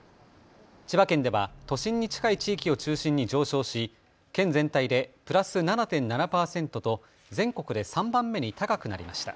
千葉県では都心に近い地域を中心に上昇し県全体でプラス７．７％と全国で３番目に高くなりました。